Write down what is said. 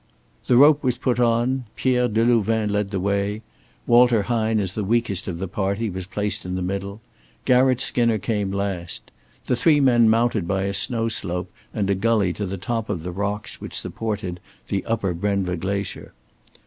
The rope was put on; Pierre Delouvain led the way, Walter Hine as the weakest of the party was placed in the middle, Garratt Skinner came last; the three men mounted by a snow slope and a gully to the top of the rocks which supported the upper Brenva glacier.